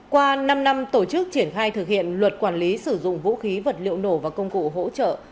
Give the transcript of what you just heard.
qua năm năm tổ chức triển khai thực hiện luật quản lý sử dụng vũ khí vật liệu nổ và công cụ hỗ trợ